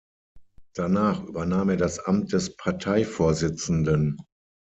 Danach übernahm er das Amt des Parteivorsitzenden.